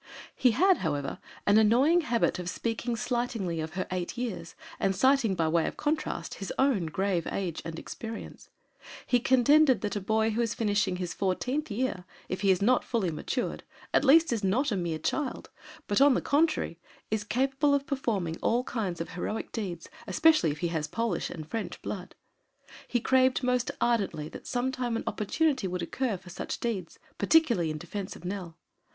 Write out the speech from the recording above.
He had, however, an annoying habit of speaking slightingly of her eight years and citing by way of contrast his own grave age and experience. He contended that a boy who is finishing his fourteenth year, if he is not fully matured, at least is not a mere child, but on the contrary, is capable of performing all kinds of heroic deeds, especially if he has Polish and French blood. He craved most ardently that sometime an opportunity would occur for such deeds, particularly in defense of Nell.